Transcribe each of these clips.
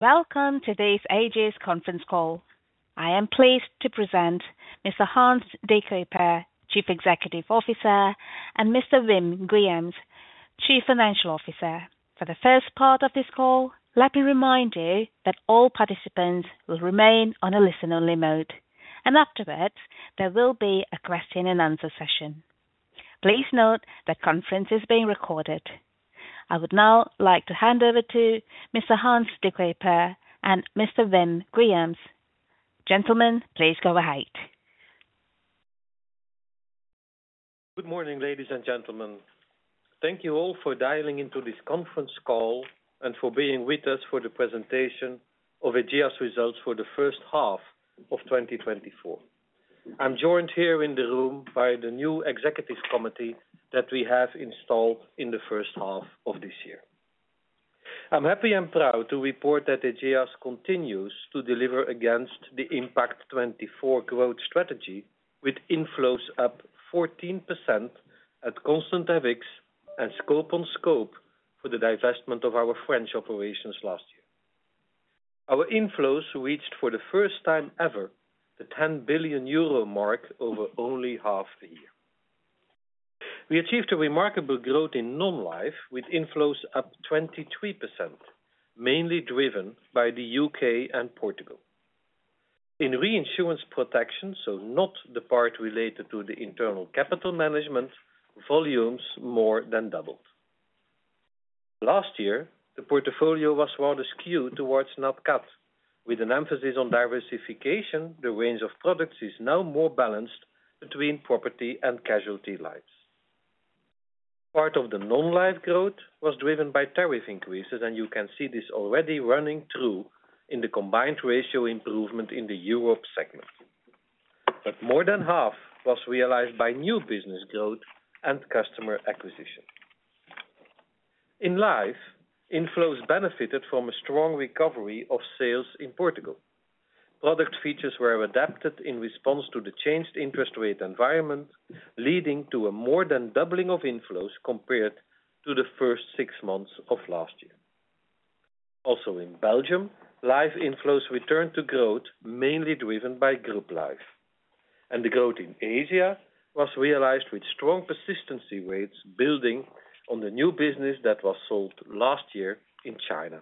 Welcome to today's Ageas conference call. I am pleased to present Mr. Hans De Cuyper, Chief Executive Officer, and Mr. Wim Guilliams, Chief Financial Officer. For the first part of this call, let me remind you that all participants will remain on a listen-only mode, and afterwards there will be a question and answer session. Please note the conference is being recorded. I would now like to hand over to Mr. Hans De Cuyper and Mr. Wim Guilliams. Gentlemen, please go ahead. Good morning, ladies and gentlemen. Thank you all for dialing into this conference call and for being with us for the presentation of Ageas results for the first half of twenty twenty-four. I'm joined here in the room by the new executive committee that we have installed in the first half of this year. I'm happy and proud to report that Ageas continues to deliver against the Impact24 growth strategy, with inflows up 14% at constant FX and scope on scope for the divestment of our French operations last year. Our inflows reached, for the first time ever, the 10 billion euro mark over only half the year. We achieved a remarkable growth in non-life, with inflows up 23%, mainly driven by the U.K. and Portugal. In reinsurance protection, so not the part related to the internal capital management, volumes more than doubled. Last year, the portfolio was rather skewed towards non-life. With an emphasis on diversification, the range of products is now more balanced between property and casualty, life. Part of the non-life growth was driven by tariff increases, and you can see this already running through in the combined ratio improvement in the Europe segment. But more than half was realized by new business growth and customer acquisition. In life, inflows benefited from a strong recovery of sales in Portugal. Product features were adapted in response to the changed interest rate environment, leading to a more than doubling of inflows compared to the first six months of last year. Also in Belgium, life inflows returned to growth, mainly driven by group life, and the growth in Asia was realized with strong persistency rates, building on the new business that was sold last year in China.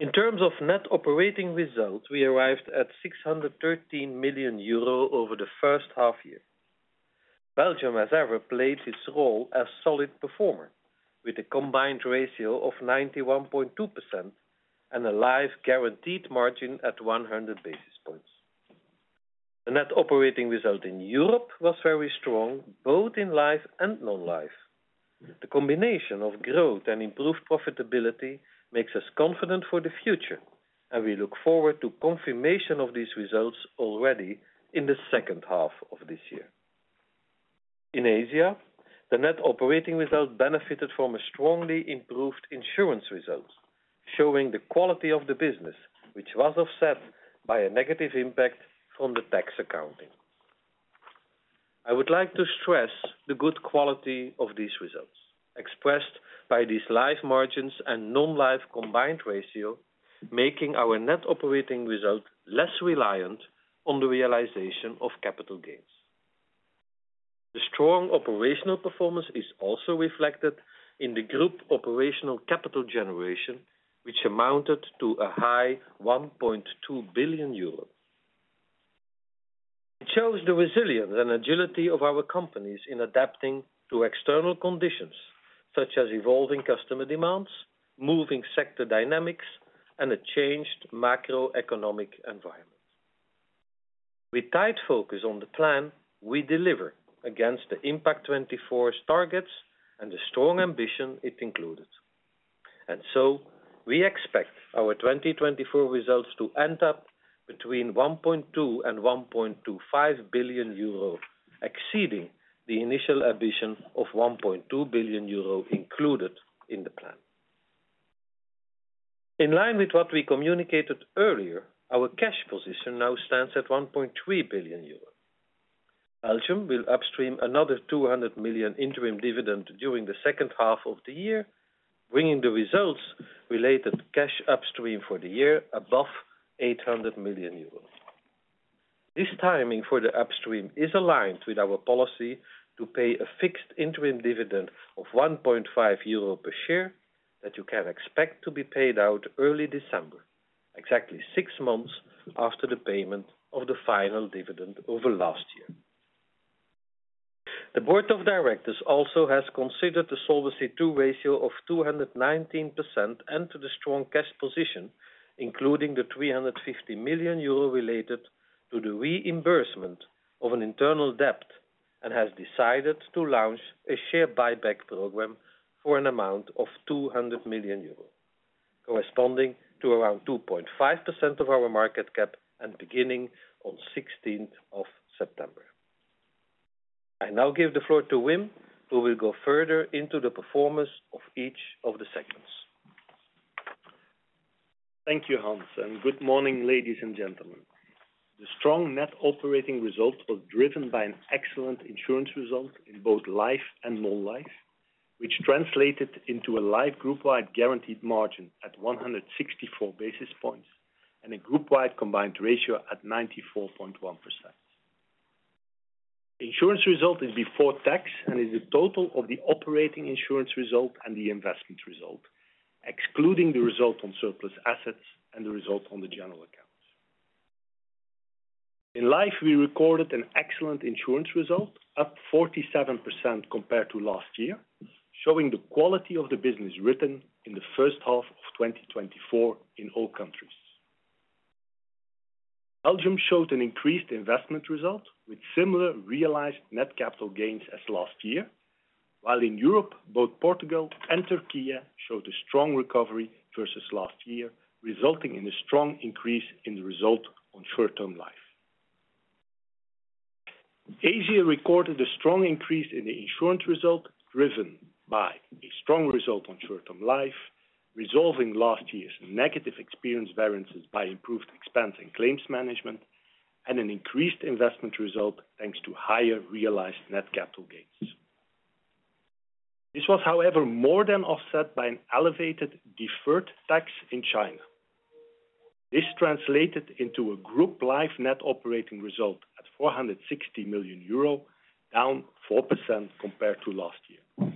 In terms of net operating results, we arrived at 613 million euro over the first half year. Belgium has ever played its role as solid performer, with a combined ratio of 91.2% and a life guaranteed margin at 100 basis points. The net operating result in Europe was very strong, both in life and non-life. The combination of growth and improved profitability makes us confident for the future, and we look forward to confirmation of these results already in the second half of this year. In Asia, the net operating result benefited from a strongly improved insurance result, showing the quality of the business, which was offset by a negative impact from the tax accounting. I would like to stress the good quality of these results, expressed by these life margins and non-life combined ratio, making our net operating result less reliant on the realization of capital gains. The strong operational performance is also reflected in the group operational capital generation, which amounted to a high 1.2 billion euros. It shows the resilience and agility of our companies in adapting to external conditions, such as evolving customer demands, moving sector dynamics, and a changed macroeconomic environment. With tight focus on the plan, we deliver against the Impact24 targets and the strong ambition it included, and so we expect our 2024 results to end up between 1.2 billion and 1.25 billion euro, exceeding the initial ambition of 1.2 billion euro included in the plan. In line with what we communicated earlier, our cash position now stands at 1.3 billion euro. Belgium will upstream another 200 million interim dividend during the second half of the year, bringing the results-related cash upstream for the year above 800 million euros. This timing for the upstream is aligned with our policy to pay a fixed interim dividend of 1.5 euro per share, that you can expect to be paid out early December, exactly six months after the payment of the final dividend over last year. The board of directors also has considered the Solvency II ratio of 219% and to the strong cash position, including the 350 million euro related to the reimbursement of an internal debt, and has decided to launch a share buyback program for an amount of 200 million euros, corresponding to around 2.5% of our market cap and beginning on 16th of September. I now give the floor to Wim, who will go further into the performance of each of the segments. ... Thank you, Hans, and good morning, ladies and gentlemen. The strong net operating result was driven by an excellent insurance result in both life and non-life, which translated into a life group-wide guaranteed margin at 164 basis points and a group-wide combined ratio at 94.1%. Insurance result is before tax and is the total of the operating insurance result and the investment result, excluding the result on surplus assets and the result on the general accounts. In life, we recorded an excellent insurance result, up 47% compared to last year, showing the quality of the business written in the first half of 2024 in all countries. Belgium showed an increased investment result with similar realized net capital gains as last year, while in Europe, both Portugal and Türkiye showed a strong recovery versus last year, resulting in a strong increase in the result on short-term life. Asia recorded a strong increase in the insurance result, driven by a strong result on short-term life, resolving last year's negative experience variances by improved expense and claims management, and an increased investment result, thanks to higher realized net capital gains. This was, however, more than offset by an elevated deferred tax in China. This translated into a group life net operating result at 460 million euro, down 4% compared to last year.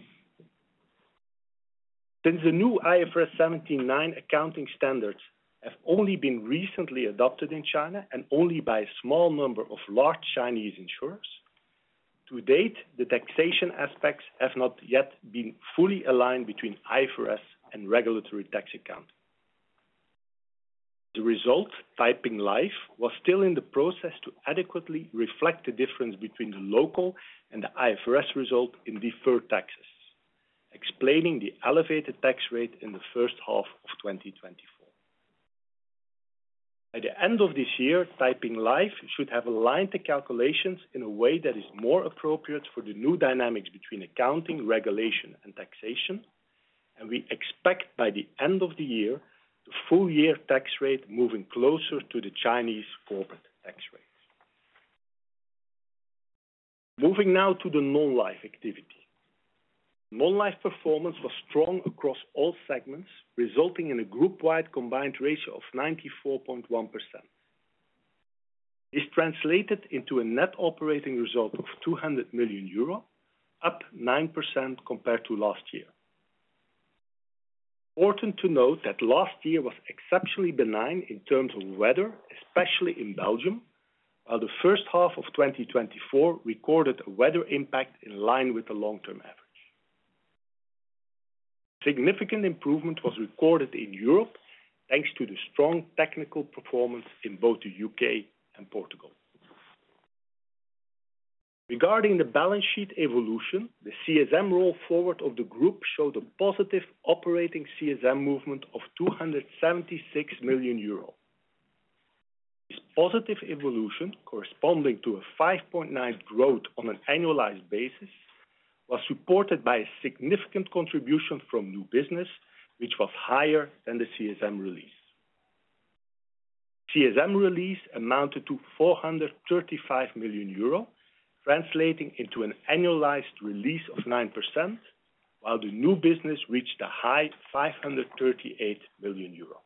Since the new IFRS 17 and 9 accounting standards have only been recently adopted in China, and only by a small number of large Chinese insurers, to date, the taxation aspects have not yet been fully aligned between IFRS and regulatory tax accounting. As a result, Taiping Life was still in the process to adequately reflect the difference between the local and the IFRS result in deferred taxes, explaining the elevated tax rate in the first half of 2024. By the end of this year, Taiping Life should have aligned the calculations in a way that is more appropriate for the new dynamics between accounting, regulation, and taxation, and we expect by the end of the year, the full year tax rate moving closer to the Chinese corporate tax rates. Moving now to the non-life activity. Non-life performance was strong across all segments, resulting in a group-wide combined ratio of 94.1%. This translated into a net operating result of 200 million euro, up 9% compared to last year. Important to note that last year was exceptionally benign in terms of weather, especially in Belgium, while the first half of 2024 recorded a weather impact in line with the long-term average. Significant improvement was recorded in Europe, thanks to the strong technical performance in both the U.K. and Portugal. Regarding the balance sheet evolution, the CSM roll forward of the group showed a positive operating CSM movement of 276 million euro. This positive evolution, corresponding to a 5.9% growth on an annualized basis, was supported by a significant contribution from new business, which was higher than the CSM release. CSM release amounted to 435 million euro, translating into an annualized release of 9%, while the new business reached a high 538 million euro.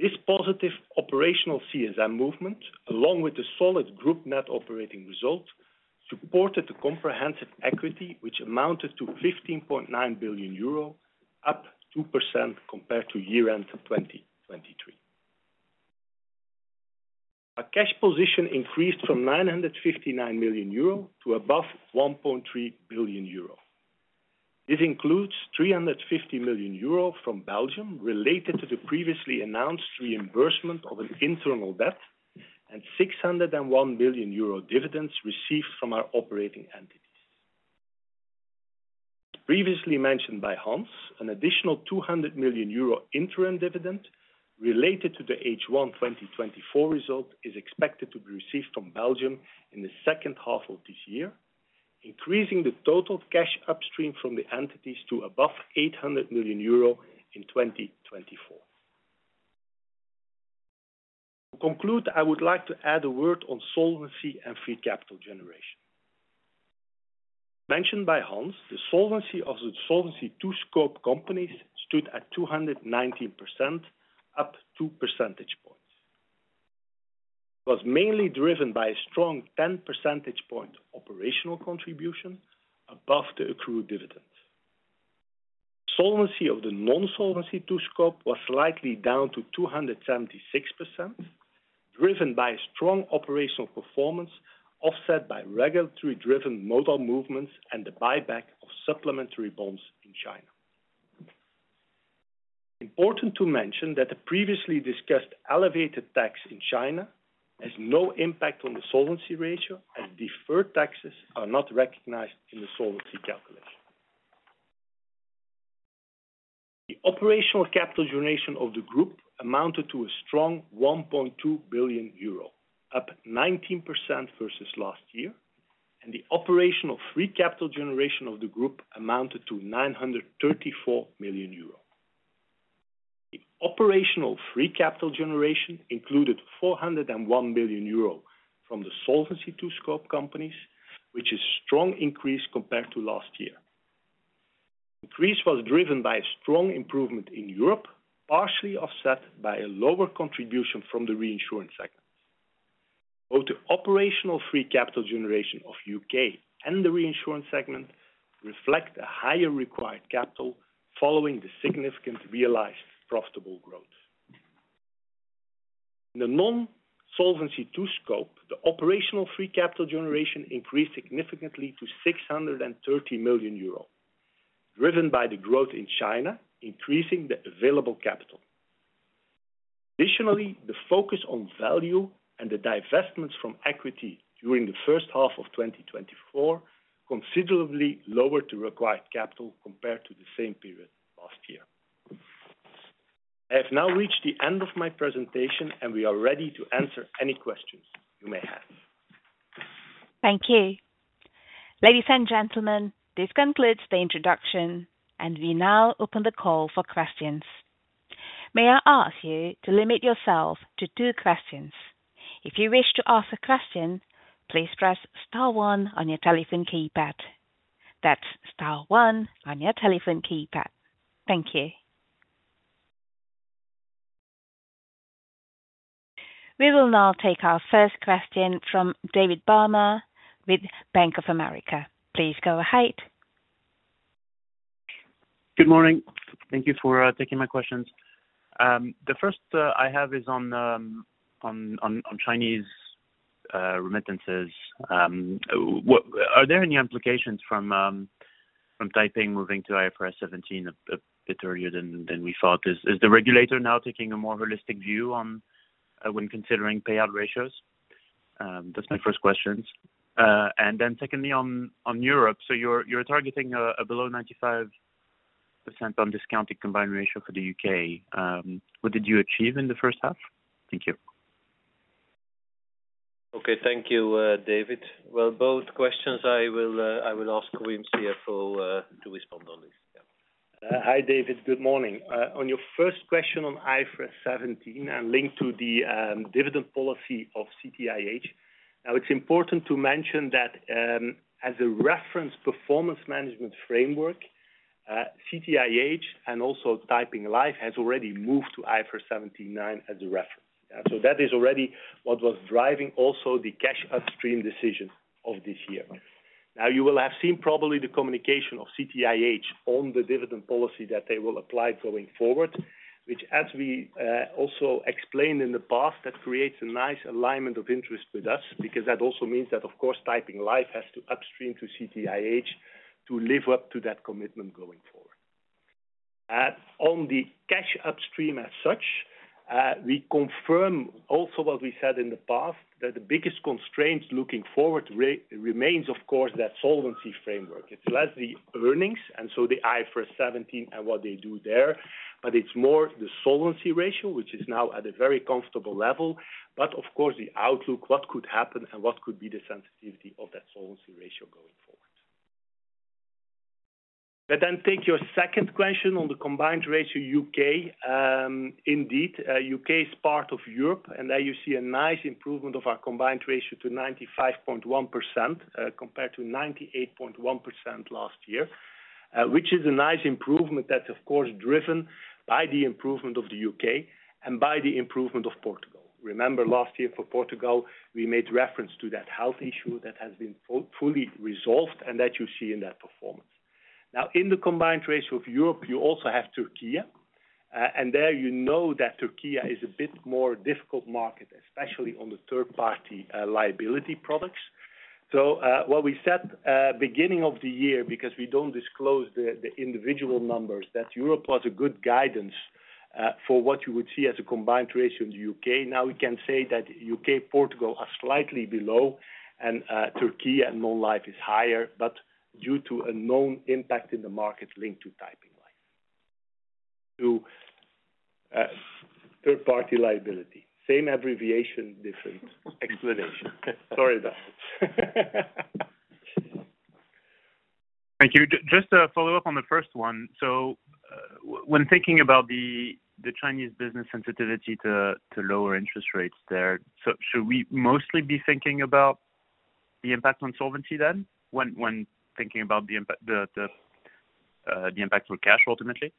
This positive operational CSM movement, along with the solid group net operating result, supported the comprehensive equity, which amounted to 15.9 billion euro, up 2% compared to year-end 2023. Our cash position increased from 959 million euro to above 1.3 billion euro. This includes 350 million euro from Belgium, related to the previously announced reimbursement of an internal debt and 601 million euro dividends received from our operating entities. Previously mentioned by Hans, an additional 200 million euro interim dividend related to the H1 2024 result is expected to be received from Belgium in the second half of this year, increasing the total cash upstream from the entities to above 800 million euro in 2024. To conclude, I would like to add a word on solvency and free capital generation. Mentioned by Hans, the solvency of the Solvency II scope companies stood at 219%, up 2 percentage points. Was mainly driven by a strong 10 percentage point operational contribution above the accrued dividends. Solvency of the non-Solvency II scope was slightly down to 276%, driven by a strong operational performance, offset by regulatory driven modal movements and the buyback of supplementary bonds in China. Important to mention that the previously discussed elevated tax in China has no impact on the solvency ratio, and deferred taxes are not recognized in the solvency calculation. The operational capital generation of the group amounted to a strong 1.2 billion euro, up 19% versus last year... and the operational free capital generation of the group amounted to 934 million euro. The operational free capital generation included 401 million euro from the Solvency II scope companies, which is strong increase compared to last year. Increase was driven by a strong improvement in Europe, partially offset by a lower contribution from the reinsurance segment. Both the operational free capital generation of U.K. and the reinsurance segment reflect a higher required capital, following the significant realized profitable growth. The non-Solvency II scope, the operational free capital generation increased significantly to 630 million euro, driven by the growth in China, increasing the available capital. Additionally, the focus on value and the divestments from equity during the first half of 2024, considerably lowered the required capital compared to the same period last year. I have now reached the end of my presentation, and we are ready to answer any questions you may have. Thank you. Ladies and gentlemen, this concludes the introduction, and we now open the call for questions. May I ask you to limit yourself to two questions. If you wish to ask a question, please press star one on your telephone keypad. That's star one on your telephone keypad. Thank you. We will now take our first question from David Barma with Bank of America. Please go ahead. Good morning. Thank you for taking my questions. The first I have is on Chinese remittances. Are there any implications from Taiping moving to IFRS 17 a bit earlier than we thought? Is the regulator now taking a more holistic view on when considering payout ratios? That's my first questions. And then secondly, on Europe. So you're targeting a below 95% on discounted combined ratio for the U.K. What did you achieve in the first half? Thank you. Okay. Thank you, David. Well, both questions, I will ask Wim, CFO, to respond on this. Yeah. Hi, David. Good morning. On your first question on IFRS 17 and linked to the dividend policy of CTIH, now it's important to mention that as a reference performance management framework, CTIH and also Taiping Life has already moved to IFRS 17/9 as a reference. So that is already what was driving also the cash upstream decision of this year. Now, you will have seen probably the communication of CTIH on the dividend policy that they will apply going forward, which as we also explained in the past, that creates a nice alignment of interest with us, because that also means that, of course, Taiping Life has to upstream to CTIH to live up to that commitment going forward. On the cash upstream as such, we confirm also what we said in the past, that the biggest constraints looking forward remains, of course, that solvency framework. It's less the earnings and so the IFRS 17 and what they do there, but it's more the solvency ratio, which is now at a very comfortable level. But of course, the outlook, what could happen and what could be the sensitivity of that solvency ratio going forward. Let then take your second question on the combined ratio U.K. Indeed, U.K. is part of Europe, and there you see a nice improvement of our combined ratio to 95.1%, compared to 98.1% last year. Which is a nice improvement that's of course, driven by the improvement of the U.K. and by the improvement of Portugal. Remember, last year for Portugal, we made reference to that health issue that has been fully resolved and that you see in that performance. Now, in the combined ratio of Europe, you also have Türkiye. And there you know that Türkiye is a bit more difficult market, especially on the third party liability products. So, what we said beginning of the year, because we don't disclose the individual numbers, that Europe was a good guidance for what you would see as a combined ratio in the U.K. Now, we can say that U.K., Portugal are slightly below and Türkiye and non-life is higher, but due to a known impact in the market linked to Taiping Life. To third party liability. Same abbreviation, different explanation. Sorry about that. Thank you. Just to follow up on the first one. So, when thinking about the Chinese business sensitivity to lower interest rates there, so should we mostly be thinking about the impact on solvency then, when thinking about the impact on cash, ultimately?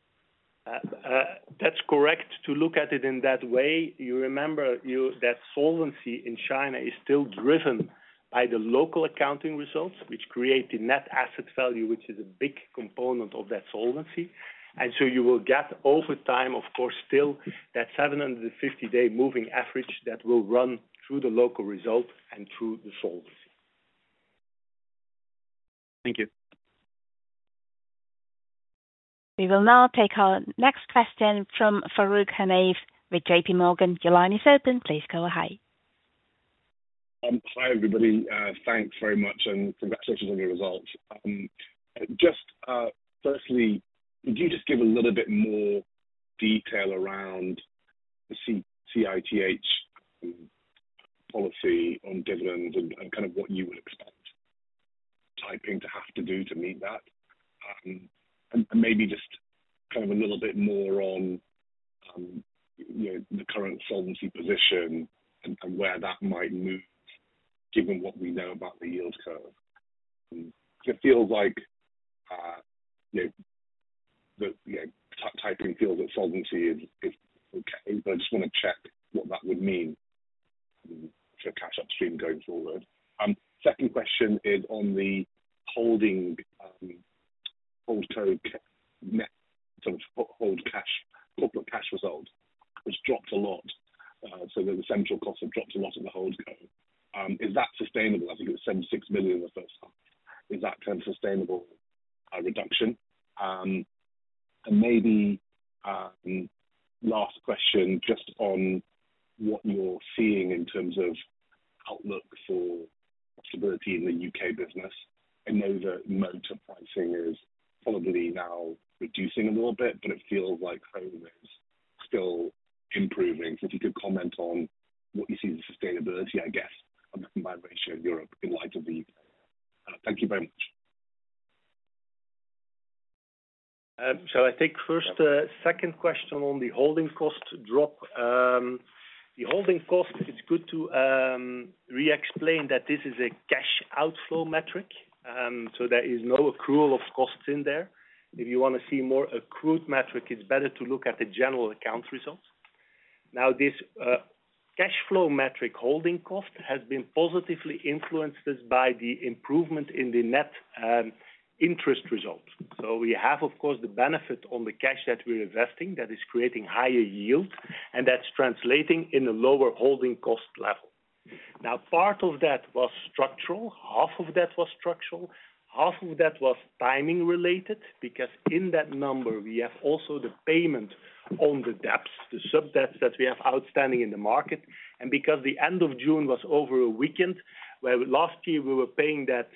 That's correct to look at it in that way. You remember, you, that solvency in China is still driven by the local accounting results, which create the net asset value, which is a big component of that solvency. And so you will get over time, of course, still, that seven hundred and fifty-day moving average that will run through the local result and through the solvency. Thank you. We will now take our next question from Farooq Hanif with J.P. Morgan. Your line is open, please go ahead. Hi, everybody, thanks very much, and congratulations on the results. Firstly, could you just give a little bit more detail around the CTIH policy on dividends and kind of what you would expect Taiping to have to do to meet that? And maybe just kind of a little bit more on you know the current solvency position and where that might move, given what we know about the yield curve. It feels like you know Taiping feels that solvency is okay, but I just wanna check what that would mean for cash upstream going forward. Second question is on the holding HoldCo net sort of hold cash corporate cash results, which dropped a lot, so the interest costs have dropped a lot in the HoldCo. Is that sustainable? I think it was 76 million the first half. Is that a sustainable reduction? And maybe last question, just on what you're seeing in terms of outlook for profitability in the U.K. business. I know that motor pricing is probably now reducing a little bit, but it feels like volume is still improving. So if you could comment on what you see as the sustainability, I guess, of the combined ratio of Europe in light of the... Thank you very much. Shall I take first, second question on the holding cost drop? The holding cost, it's good to, re-explain that this is a cash outflow metric. So there is no accrual of costs in there. If you wanna see more accrued metric, it's better to look at the general account results. Now, this, cash flow metric, holding cost, has been positively influenced by the improvement in the net, interest results. So we have, of course, the benefit on the cash that we're investing that is creating higher yield, and that's translating in a lower holding cost level. Now, part of that was structural. Half of that was structural, half of that was timing related, because in that number, we have also the payment on the debts, the sub-debts that we have outstanding in the market. Because the end of June was over a weekend, where last year we were paying that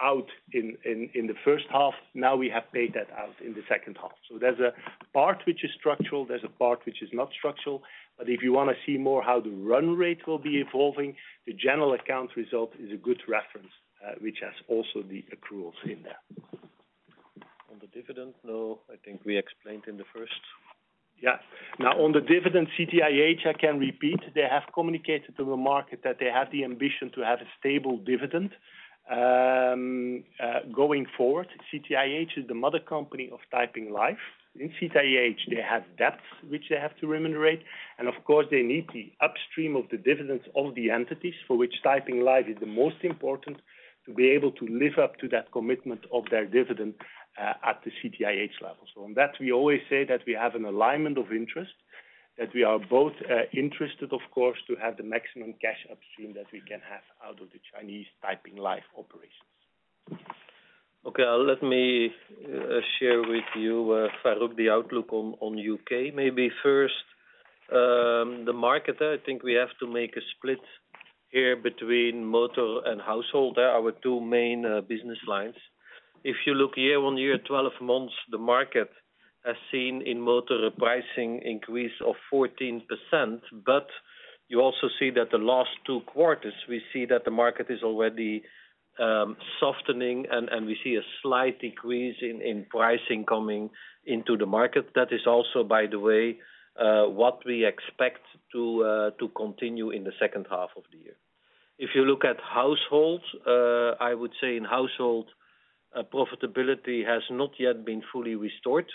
out in the first half, now we have paid that out in the second half. So there's a part which is structural, there's a part which is not structural, but if you wanna see more how the run rate will be evolving, the general account result is a good reference, which has also the accruals in there. On the dividend, no, I think we explained in the first. Yeah. Now, on the dividend, CTIH, I can repeat, they have communicated to the market that they have the ambition to have a stable dividend. Going forward, CTIH is the mother company of Taiping Life. In CTIH, they have debts which they have to remunerate, and of course, they need the upstream of the dividends of the entities, for which Taiping Life is the most important, to be able to live up to that commitment of their dividend, at the CTIH level. So on that, we always say that we have an alignment of interest, that we are both, interested, of course, to have the maximum cash upstream that we can have out of the Chinese Taiping Life operations. Okay, let me share with you, Farooq, the outlook on U.K. Maybe first, the market. I think we have to make a split here between motor and household. They are our two main business lines. If you look year on year, twelve months, the market has seen in motor, a pricing increase of 14%, but you also see that the last two quarters, we see that the market is already softening and we see a slight decrease in pricing coming into the market. That is also, by the way, what we expect to continue in the second half of the year. If you look at households, I would say in household, profitability has not yet been fully restored,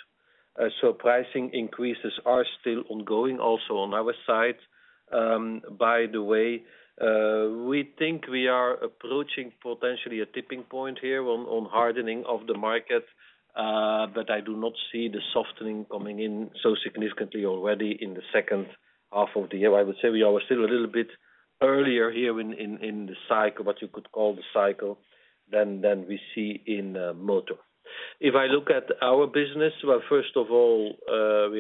so pricing increases are still ongoing, also on our side. By the way, we think we are approaching potentially a tipping point here on hardening of the market, but I do not see the softening coming in so significantly already in the second half of the year. I would say we are still a little bit earlier here in the cycle, what you could call the cycle, than we see in motor. If I look at our business, well, first of all, we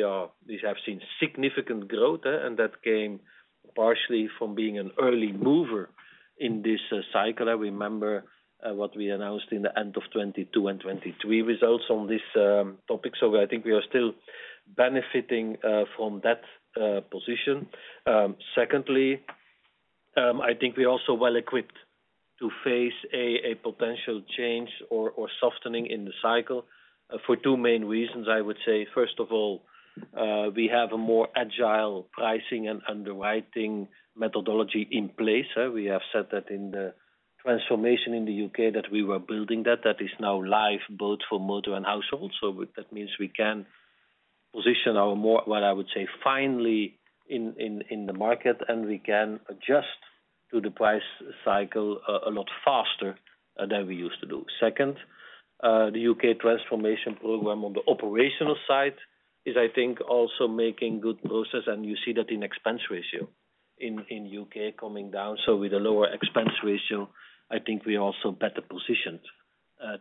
have seen significant growth, and that came partially from being an early mover in this cycle. I remember what we announced in the end of 2022 and 2023 results on this topic, so I think we are still benefiting from that position. Secondly, I think we're also well equipped to face a potential change or softening in the cycle for two main reasons. I would say, first of all, we have a more agile pricing and underwriting methodology in place. We have said that in the transformation in the U.K., that we were building that is now live both for motor and household. So that means we can position our more... What I would say, finally, in the market, and we can adjust to the price cycle a lot faster than we used to do. Second, the U.K. transformation program on the operational side is, I think, also making good progress, and you see that in expense ratio in U.K. coming down. So with a lower expense ratio, I think we are also better positioned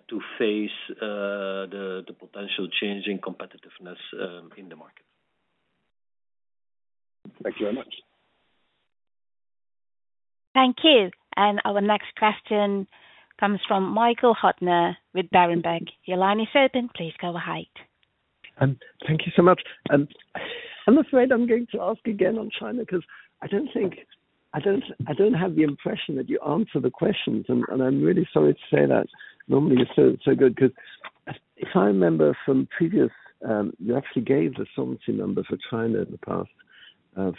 to face the potential change in competitiveness in the market. Thank you very much. Thank you. And our next question comes from Michael Huttner with Berenberg. Your line is open, please go ahead. Thank you so much. I'm afraid I'm going to ask again on China, 'cause I don't think I have the impression that you answered the questions, and I'm really sorry to say that. Normally, you're so good, 'cause if I remember from previous, you actually gave the solvency number for China in the past.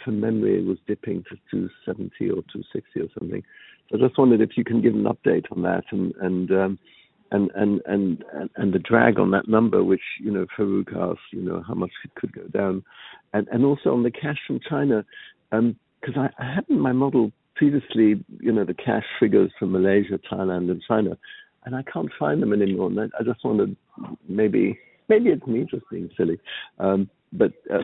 From memory, it was dipping to two seventy or two sixty or something. So I just wondered if you can give an update on that, and the drag on that number which, you know, Farooq asked, you know, how much it could go down. Also on the cash from China, 'cause I had in my model previously, you know, the cash figures from Malaysia, Thailand, and China, and I can't find them anymore on there. I just wondered maybe, maybe it's me just being silly.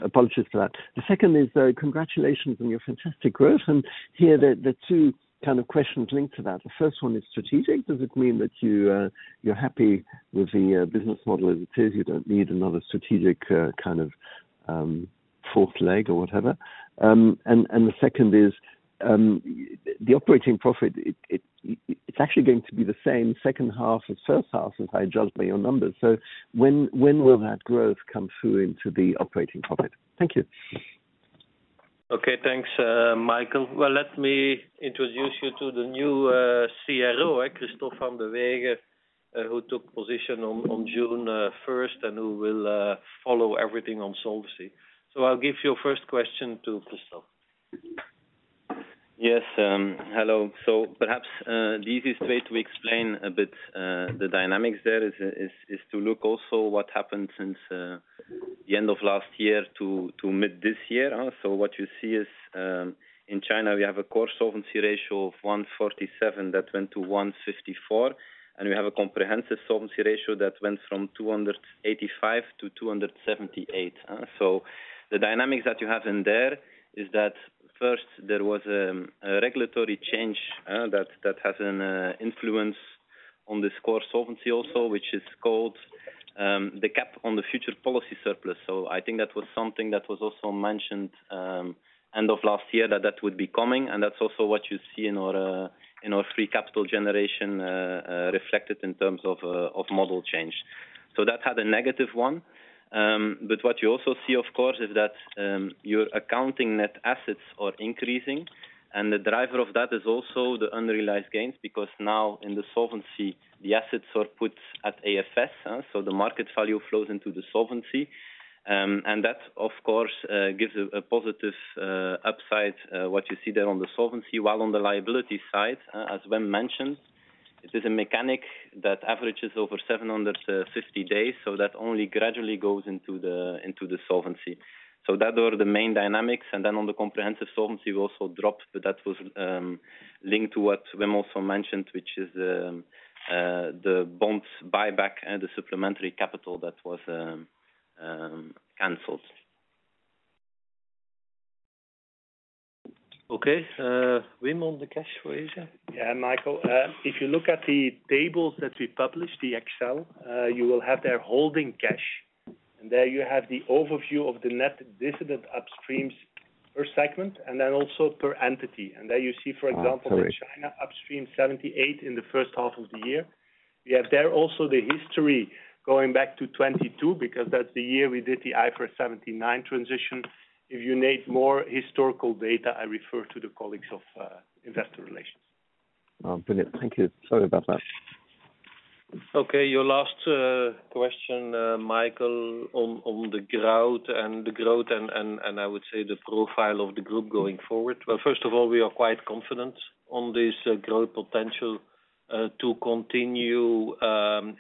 Apologies for that. The second is, congratulations on your fantastic growth, and here the two kind of questions linked to that. The first one is strategic. Does it mean that you, you're happy with the business model as it is? You don't need another strategic, kind of, fourth leg or whatever. And the second is, the operating profit, it's actually going to be the same second half as first half, as I judge by your numbers. So when will that growth come through into the operating profit? Thank you. Okay, thanks, Michael. Well, let me introduce you to the new CRO, Christophe Vandeweghe, who took position on June first, and who will follow everything on solvency. So I'll give your first question to Christophe. Yes, hello. So perhaps the easiest way to explain a bit the dynamics there is to look also what happened since the end of last year to mid this year. So what you see is, in China, we have a core solvency ratio of 147 that went to 154, and we have a comprehensive solvency ratio that went from 285 to 278. So the dynamics that you have in there is that first there was a regulatory change that has an influence on the core solvency also, which is called the cap on the future policy surplus. So I think that was something that was also mentioned, end of last year, that that would be coming, and that's also what you see in our free capital generation, reflected in terms of model change. So that had a negative one. But what you also see, of course, is that your accounting net assets are increasing, and the driver of that is also the unrealized gains, because now in the solvency, the assets are put at AFS, so the market value flows into the solvency. And that, of course, gives a positive upside, what you see there on the solvency. While on the liability side, as Wim mentioned, it is a mechanism that averages over 750 days, so that only gradually goes into the solvency. That were the main dynamics, and then on the comprehensive solvency, we also dropped, but that was linked to what Wim also mentioned, which is the bonds buyback and the supplementary capital that was canceled. Okay, Wim, on the cash for Asia? Yeah, Michael, if you look at the tables that we published, the Excel, you will have their holding cash. And there you have the overview of the net dividend upstreams per segment, and then also per entity. And there you see, for example- Ah, sorry. In China, upstream 78 in the first half of the year. You have there also the history going back to 2022, because that's the year we did the IFRS 17 transition. If you need more historical data, I refer to the colleagues of investor relations. Oh, brilliant. Thank you. Sorry about that. Okay, your last question, Michael, on the growth, and I would say the profile of the group going forward. Well, first of all, we are quite confident on this growth potential to continue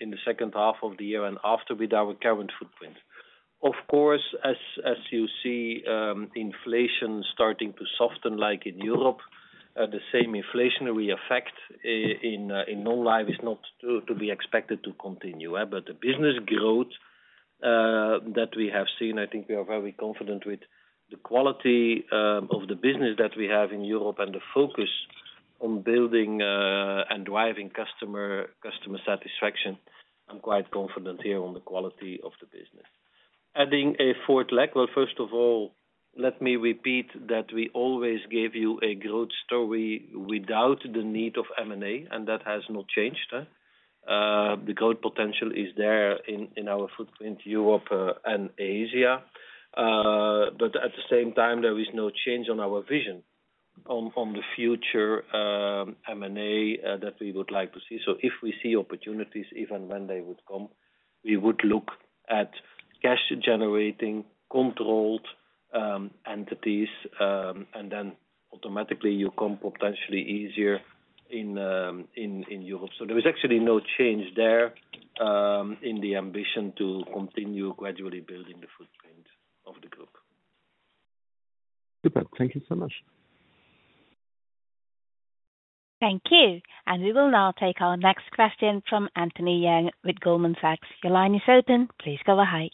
in the second half of the year and after with our current footprint. Of course, as you see, inflation starting to soften, like in Europe, the same inflationary effect in non-life is not to be expected to continue. But the business growth that we have seen, I think we are very confident with. The quality of the business that we have in Europe and the focus on building and driving customer satisfaction, I'm quite confident here on the quality of the business. Adding a fourth leg, well, first of all, let me repeat that we always gave you a growth story without the need of M&A, and that has not changed. The growth potential is there in our footprint, Europe, and Asia, but at the same time, there is no change on our vision on the future, M&A, that we would like to see, so if we see opportunities, even when they would come, we would look at cash-generating, controlled, entities, and then automatically you come potentially easier in Europe, so there is actually no change there, in the ambition to continue gradually building the footprint of the group. Super. Thank you so much. Thank you. And we will now take our next question from Anthony Yang with Goldman Sachs. Your line is open, please go ahead.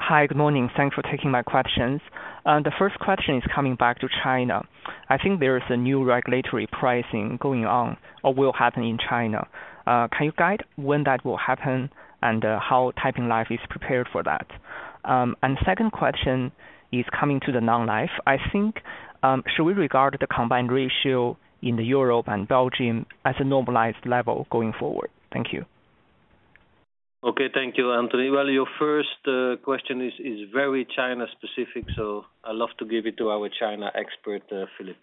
Hi, good morning. Thanks for taking my questions. The first question is coming back to China. I think there is a new regulatory pricing going on or will happen in China. Can you guide when that will happen, and how Taiping Life is prepared for that?... and second question is coming to the non-life, I think, should we regard the combined ratio in the Europe and Belgium as a normalized level going forward? Thank you. Okay, thank you, Anthony. Your first question is very China-specific, so I'd love to give it to our China expert, Filip.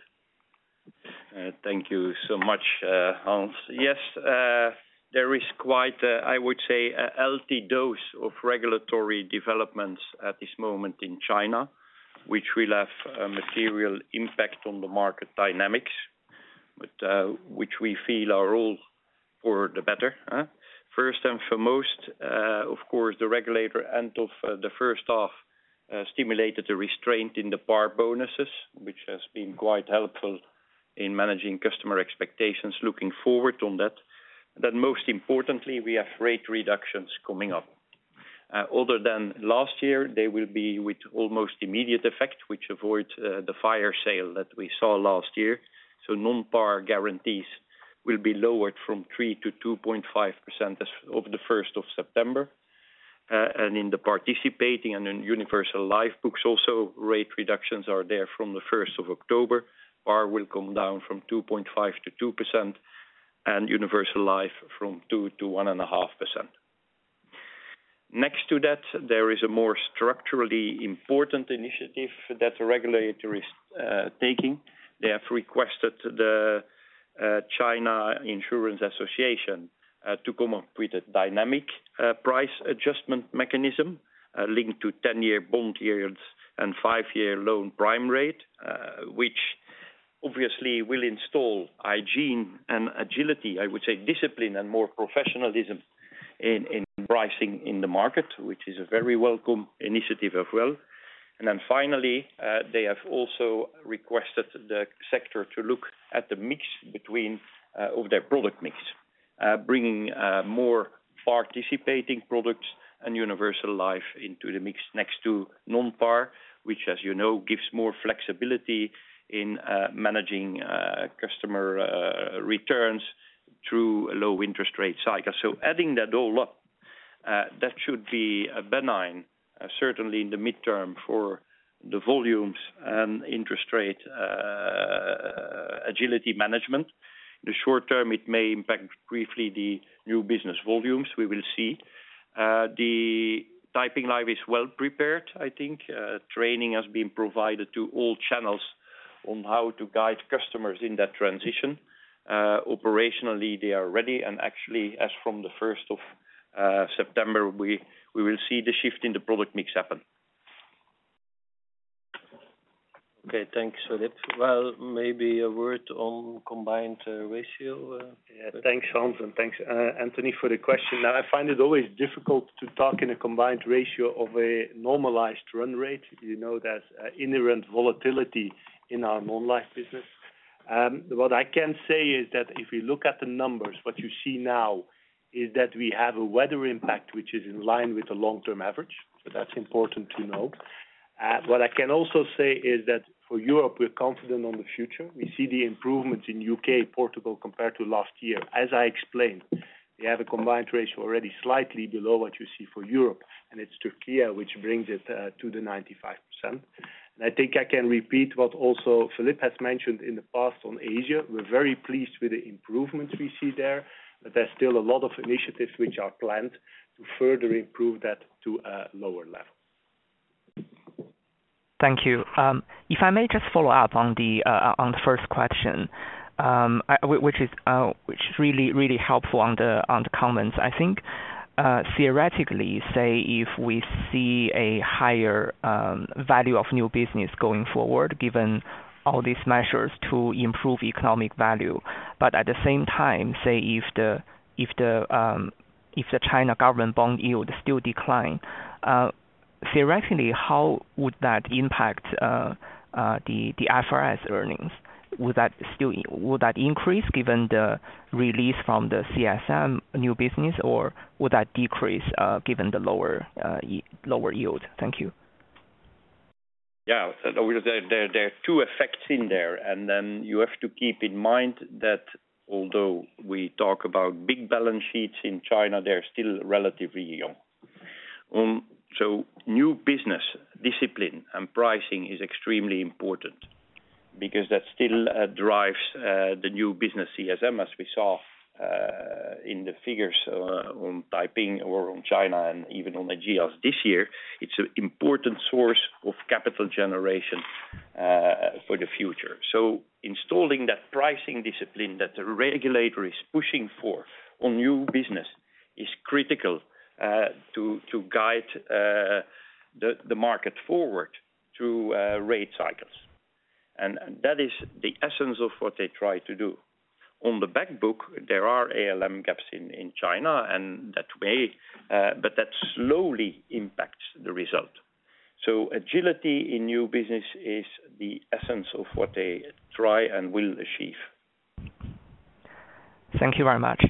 Thank you so much, Hans. Yes, there is quite a, I would say, a healthy dose of regulatory developments at this moment in China, which will have a material impact on the market dynamics. But which we feel are all for the better. First and foremost, of course, the regulator at the end of the first half stimulated a restraint in the par bonuses, which has been quite helpful in managing customer expectations looking forward on that. But most importantly, we have rate reductions coming up. Other than last year, they will be with almost immediate effect, which avoids the fire sale that we saw last year. So non-par guarantees will be lowered from 3 to 2.5% as of the first of September. And in the participating and in universal life books also, rate reductions are there from the first of October, par will come down from 2.5%-2% and universal life from 2%-1.5%. Next to that, there is a more structurally important initiative that the regulator is taking. They have requested the China Insurance Association to come up with a dynamic price adjustment mechanism linked to 10-year bond periods and 5-year Loan Prime Rate. Which obviously will install hygiene and agility, I would say discipline and more professionalism in pricing in the market, which is a very welcome initiative as well. And then finally, they have also requested the sector to look at the mix between of their product mix. Bringing more participating products and universal life into the mix next to non-par, which, as you know, gives more flexibility in managing customer returns through a low interest rate cycle. So adding that all up, that should be benign, certainly in the midterm for the volumes and interest rate agility management. The short term, it may impact briefly the new business volumes, we will see. The Taiping Life is well prepared, I think. Training has been provided to all channels on how to guide customers in that transition. Operationally, they are ready, and actually, as from the first of September, we will see the shift in the product mix happen. Okay, thanks, Filip. Well, maybe a word on combined ratio. Yeah, thanks, Hans, and thanks, Anthony, for the question. I find it always difficult to talk in a combined ratio of a normalized run rate. You know, there's an inherent volatility in our non-life business. What I can say is that if you look at the numbers, what you see now is that we have a weather impact, which is in line with the long-term average. So that's important to know. What I can also say is that for Europe, we're confident on the future. We see the improvements in U.K., Portugal, compared to last year. As I explained, we have a combined ratio already slightly below what you see for Europe, and it's Turkey which brings it to the 95%, and I think I can repeat what also Filip has mentioned in the past on Asia. We're very pleased with the improvements we see there, but there's still a lot of initiatives which are planned to further improve that to a lower level. Thank you. If I may just follow up on the first question, which is really, really helpful on the comments. I think theoretically, say, if we see a higher value of new business going forward, given all these measures to improve economic value, but at the same time, say, if the China government bond yield still decline, theoretically, how would that impact the IFRS earnings? Would that still... Would that increase given the release from the CSM new business, or would that decrease given the lower yield? Thank you. Yeah, there are two effects in there, and then you have to keep in mind that although we talk about big balance sheets in China, they're still relatively young. So new business discipline and pricing is extremely important because that still drives the new business CSM, as we saw in the figures on Taiping or on China and even on the Ageas this year. It's an important source of capital generation for the future. So installing that pricing discipline that the regulator is pushing for on new business is critical to guide the market forward through rate cycles. And that is the essence of what they try to do. On the back book, there are ALM gaps in China and that way, but that slowly impacts the result. Agility in new business is the essence of what they try and will achieve. Thank you very much.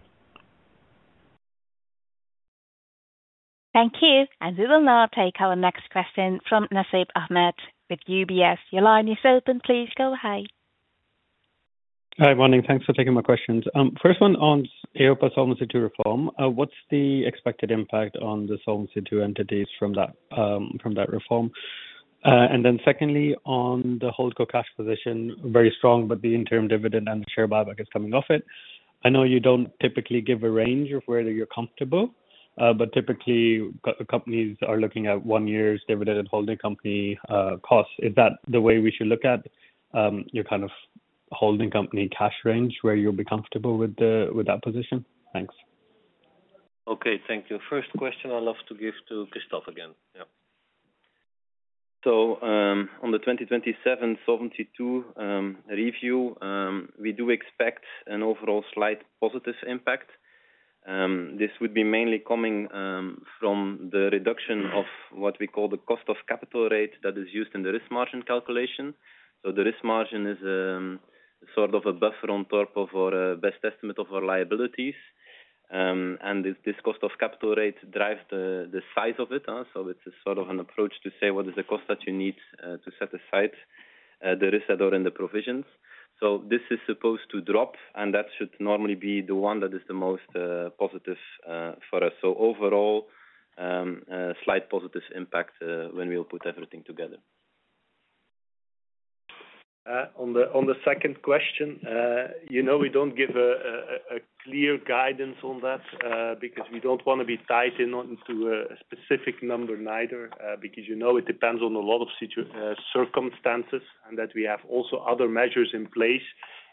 Thank you, and we will now take our next question from Nasib Ahmed with UBS. Your line is open, please go ahead. ... Hi, morning. Thanks for taking my questions. First one on AG's Solvency II reform. What's the expected impact on the Solvency II entities from that, from that reform? And then secondly, on the holdco cash position, very strong, but the interim dividend and the share buyback is coming off it. I know you don't typically give a range of whether you're comfortable, but typically companies are looking at one year's dividend holding company, costs. Is that the way we should look at, your kind of holding company cash range, where you'll be comfortable with that position? Thanks. Okay, thank you. First question, I'd love to give to Christophe again. Yeah. On the 2027 Solvency II review, we do expect an overall slight positive impact. This would be mainly coming from the reduction of what we call the cost of capital rate that is used in the risk margin calculation. So the risk margin is sort of a buffer on top of our best estimate of our liabilities. And this cost of capital rate drives the size of it, so it's a sort of an approach to say, what is the cost that you need to set aside the risk that are in the provisions? So this is supposed to drop, and that should normally be the one that is the most positive for us. So overall, a slight positive impact when we'll put everything together. On the second question, you know, we don't give a clear guidance on that, because we don't wanna be tied in onto a specific number neither, because, you know, it depends on a lot of circumstances, and that we have also other measures in place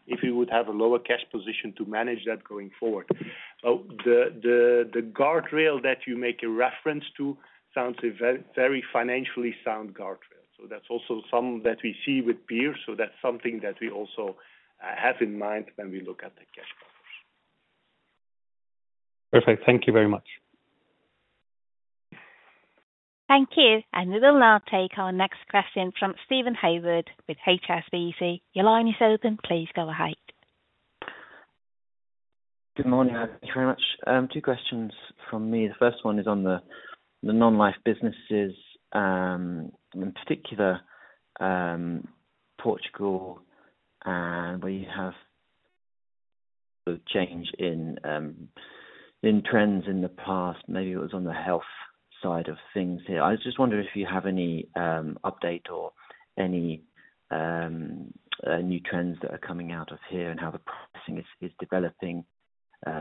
if we would have a lower cash position to manage that going forward. So the guardrail that you make a reference to sounds a very, very financially sound guardrail. So that's also something that we see with peers, so that's something that we also have in mind when we look at the cash flows. Perfect. Thank you very much. Thank you, and we will now take our next question from Steven Haywood with HSBC. Your line is open. Please go ahead. Good morning, thank you very much. Two questions from me. The first one is on the non-life businesses, in particular, Portugal, and where you have the change in trends in the past, maybe it was on the health side of things here. I was just wondering if you have any update or any new trends that are coming out of here, and how the pricing is developing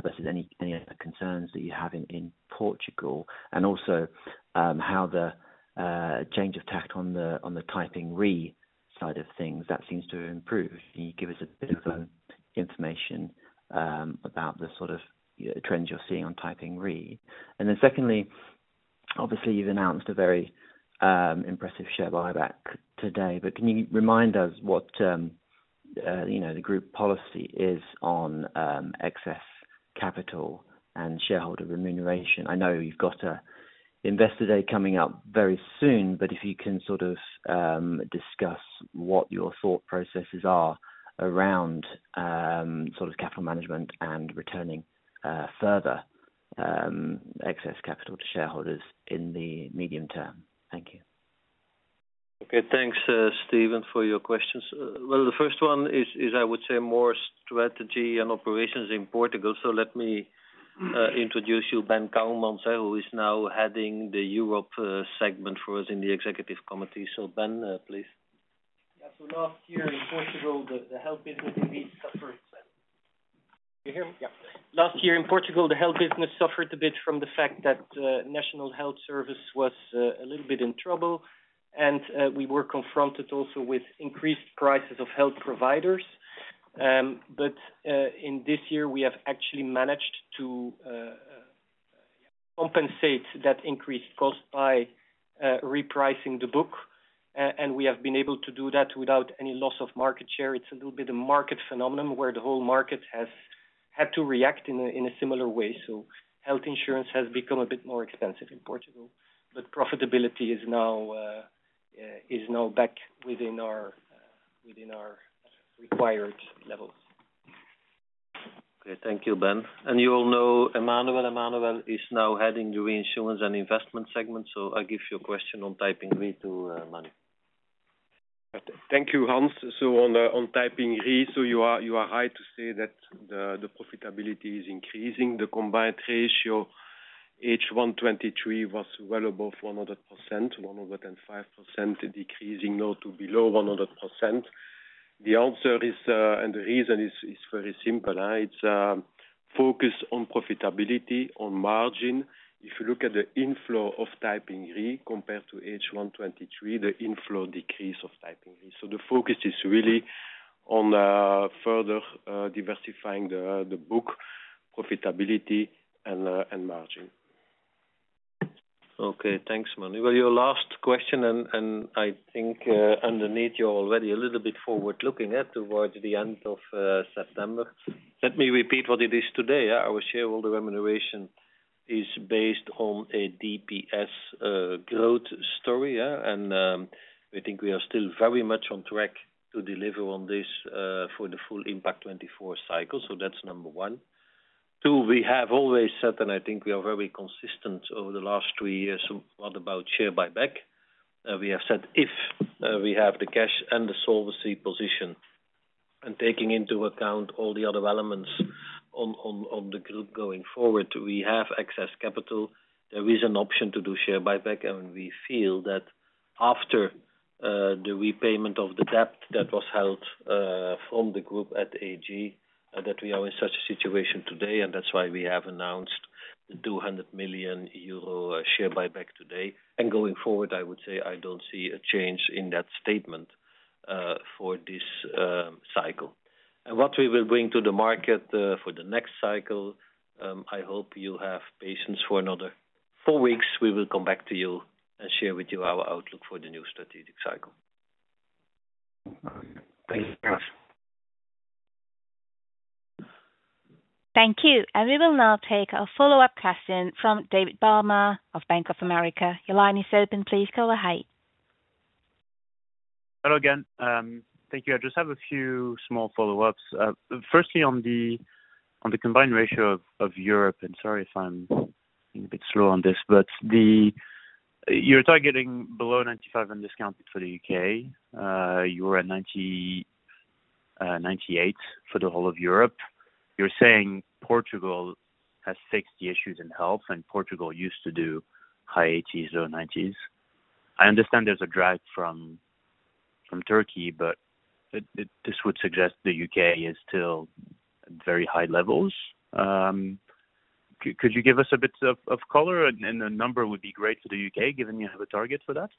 versus any other concerns that you have in Portugal. And also, how the change of tact on the Taiping Re side of things, that seems to have improved. Can you give us a bit of information about the sort of trends you're seeing on Taiping Re? And then secondly, obviously, you've announced a very, impressive share buyback today, but can you remind us what, you know, the group policy is on, excess capital and shareholder remuneration? I know you've got a investor day coming up very soon, but if you can sort of, discuss what your thought processes are around, sort of capital management and returning, further, excess capital to shareholders in the medium term. Thank you. Okay, thanks, Steven, for your questions. Well, the first one is I would say more strategy and operations in Portugal, so let me introduce you Ben Coumans, who is now heading the Europe segment for us in the executive committee. So Ben, please. Yeah, so last year in Portugal, the health business indeed suffered. Can you hear me? Yeah. Last year in Portugal, the health business suffered a bit from the fact that National Health Service was a little bit in trouble, and we were confronted also with increased prices of health providers. But in this year, we have actually managed to compensate that increased cost by repricing the book. And we have been able to do that without any loss of market share. It's a little bit a market phenomenon, where the whole market has had to react in a similar way. Health insurance has become a bit more expensive in Portugal, but profitability is now back within our required levels. Okay, thank you, Ben. You all know Emmanuel. Emmanuel is now heading the reinsurance and investment segment, so I'll give your question on Taiping Re to Emmanuel. Thank you, Hans. So on Taiping Re, you are right to say that the profitability is increasing. The combined ratio, H1 2023, was well above 100%, 105%, decreasing now to below 100%. The answer is, and the reason is very simple, it's focus on profitability, on margin. If you look at the inflow of Taiping Re compared to H1 2023, the inflow decrease of Taiping Re. So the focus is really on further diversifying the book profitability and margin. Okay, thanks, Emmanuel. Your last question, and I think you're already a little bit forward-looking towards the end of September. Let me repeat what it is today. Our shareholder remuneration is based on a DPS growth story, yeah, and I think we are still very much on track to deliver on this for the full Impact24 cycle. So that's number one. Two, we have always said, and I think we are very consistent over the last three years, what about share buyback? We have said if we have the cash and the solvency position, and taking into account all the other elements on the group going forward, we have excess capital. There is an option to do share buyback, and we feel that after the repayment of the debt that was held from the group at AG that we are in such a situation today, and that's why we have announced the 200 million euro share buyback today. Going forward, I would say I don't see a change in that statement for this cycle. And what we will bring to the market for the next cycle, I hope you have patience for another four weeks. We will come back to you and share with you our outlook for the new strategic cycle. Thank you. Thanks. Thank you. And we will now take a follow-up question from David Barma of Bank of America. Your line is open. Please go ahead. Hello again. Thank you. I just have a few small follow-ups. Firstly, on the combined ratio of Europe, and sorry if I'm being a bit slow on this, but you're targeting below 95% and discounted for the U.K. You were at 98% for the whole of Europe. You're saying Portugal has 60 issues in health, and Portugal used to do high 80s or 90s. I understand there's a drag from Türkiye, but this would suggest the U.K. is still very high levels. Could you give us a bit of color, and a number would be great for the U.K., given you have a target for that?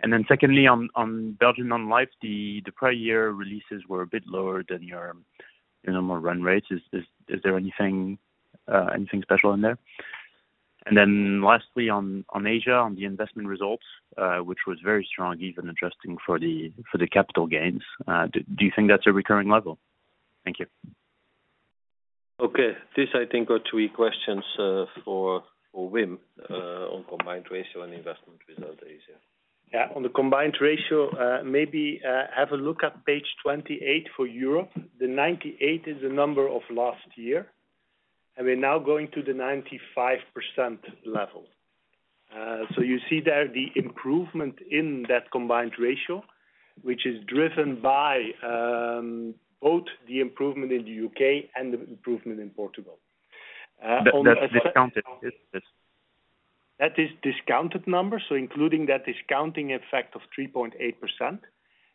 And then secondly, on Belgium, non-life, the prior year releases were a bit lower than your normal run rates. Is there anything special in there? And then lastly, on Asia, on the investment results, which was very strong, even adjusting for the capital gains, do you think that's a recurring level? Thank you. Okay. This, I think, are two, three questions for Wim on combined ratio and investment result Asia. Yeah. On the combined ratio, maybe have a look at Page 28 for Europe. The 98% is the number of last year, and we're now going to the 95% level. So you see there the improvement in that combined ratio, which is driven by both the improvement in the U.K. and the improvement in Portugal. On- That, that's discounted, isn't it? That is discounted number, so including that discounting effect of 3.8%.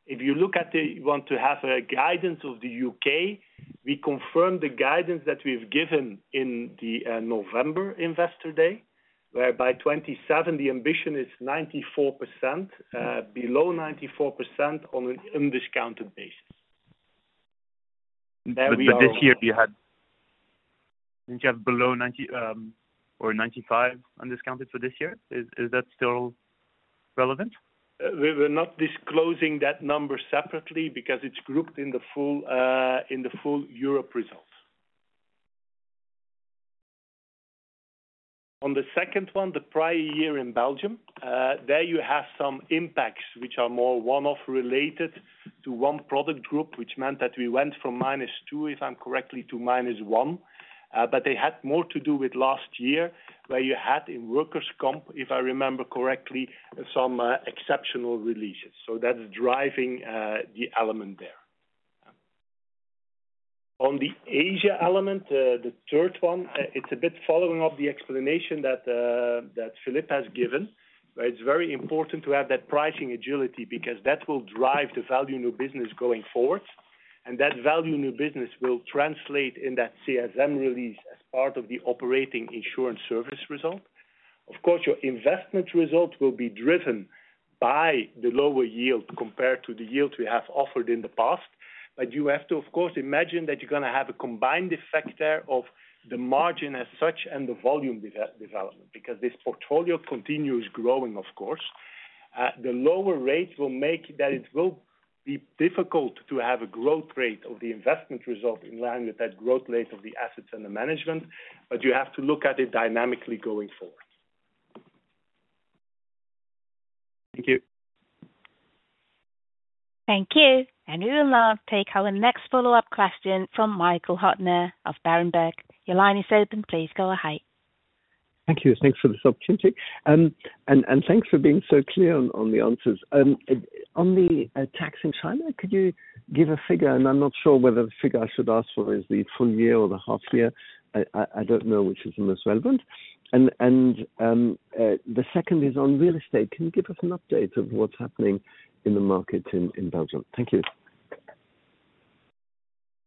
If you look at the U.K. you want to have a guidance of the U.K., we confirm the guidance that we've given in the November investor day, whereby 2027, the ambition is 94%, below 94% on an undiscounted basis. There we are- But this year you had, didn't you have below 90% or 95% undiscounted for this year? Is that still relevant? We're not disclosing that number separately because it's grouped in the full Europe results. On the second one, the prior year in Belgium, there you have some impacts which are more one-off, related to one product group, which meant that we went from minus two, if I'm correctly, to minus one. But they had more to do with last year, where you had in workers' comp, if I remember correctly, some exceptional releases. That is driving the element there. On the Asia element, the third one, it's a bit following up the explanation that Filip has given, but it's very important to have that pricing agility because that will drive the value in your business going forward. And that value in your business will translate in that CSM release as part of the operating insurance service result. Of course, your investment results will be driven by the lower yield compared to the yields we have offered in the past. But you have to, of course, imagine that you're gonna have a combined effect there of the margin as such and the volume development, because this portfolio continues growing, of course. The lower rates will make that it will be difficult to have a growth rate of the investment result in line with that growth rate of the assets and the management, but you have to look at it dynamically going forward. Thank you. Thank you, and we will now take our next follow-up question from Michael Huttner of Berenberg. Your line is open. Please go ahead. Thank you. Thanks for this opportunity, and thanks for being so clear on the answers. On the tax in China, could you give a figure, and I'm not sure whether the figure I should ask for is the full year or the half year. I don't know which is the most relevant, and the second is on real estate. Can you give us an update of what's happening in the market in Belgium? Thank you.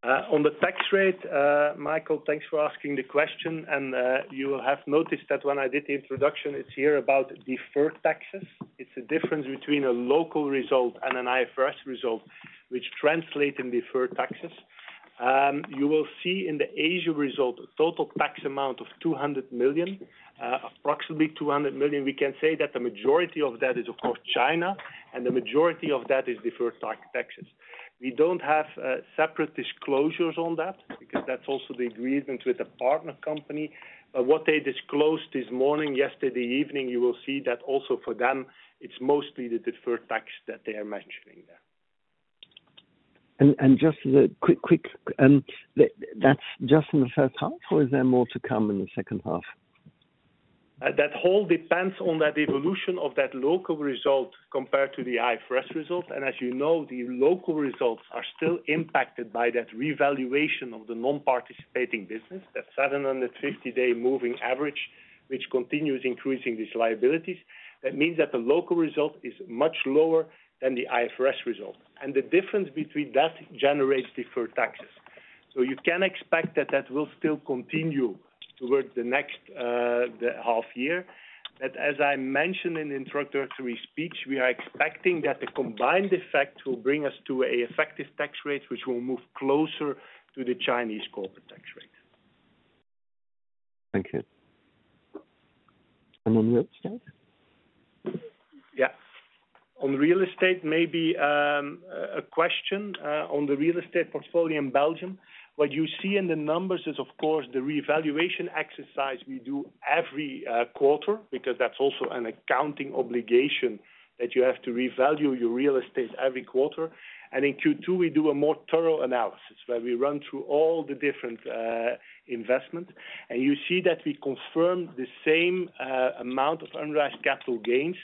On the tax rate, Michael, thanks for asking the question, and, you will have noticed that when I did the introduction, it's here about deferred taxes. It's the difference between a local result and an IFRS result, which translate in deferred taxes. You will see in the Asia result, a total tax amount of 200 million, approximately 200 million. We can say that the majority of that is, of course, China, and the majority of that is deferred tax, taxes. We don't have, separate disclosures on that because that's also the agreement with the partner company. But what they disclosed this morning, yesterday evening, you will see that also for them, it's mostly the deferred tax that they are mentioning there.... And just as a quick, that's just in the first half, or is there more to come in the second half? That all depends on that evolution of that local result compared to the IFRS result. As you know, the local results are still impacted by that revaluation of the non-participating business, that 750-day moving average, which continues increasing these liabilities. That means that the local result is much lower than the IFRS result, and the difference between that generates deferred taxes. You can expect that that will still continue toward the next, the half year. As I mentioned in introductory speech, we are expecting that the combined effect will bring us to an effective tax rate, which will move closer to the Chinese corporate tax rate. Thank you. And on real estate? Yeah. On real estate, maybe a question on the real estate portfolio in Belgium. What you see in the numbers is, of course, the revaluation exercise we do every quarter, because that's also an accounting obligation that you have to revalue your real estate every quarter. And in Q2, we do a more thorough analysis, where we run through all the different investment. And you see that we confirm the same amount of unrealized capital gains.